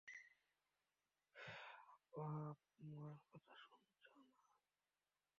আপা, আমার কথা শুনছো না?